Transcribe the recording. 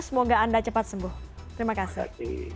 semoga anda cepat sembuh terima kasih